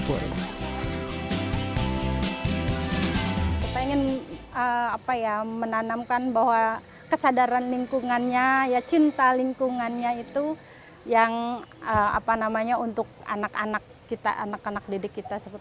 kita ingin menanamkan bahwa kesadaran lingkungannya cinta lingkungannya itu yang untuk anak anak didik kita